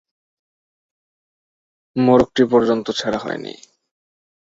মোড়কটি পর্যন্ত ছেড়া হয় নি।